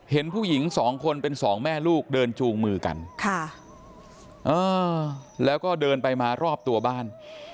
เห็นผู้หญิงสองคนเป็นสองแม่ลูกเดินจูงมือกันแล้วก็เดินไปมารอบตัวบ้าน